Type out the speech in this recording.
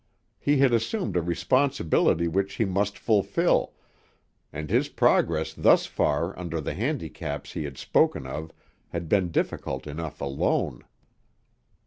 He had assumed a responsibility which he must fulfill, and his progress thus far under the handicaps he had spoken of had been difficult enough alone.